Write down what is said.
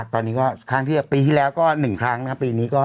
ตอนนี้ก็ครั้งที่ปีที่แล้วก็๑ครั้งนะครับปีนี้ก็